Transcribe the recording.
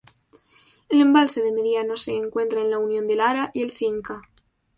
El embalse de Mediano se encuentra en la unión del Ara y el Cinca.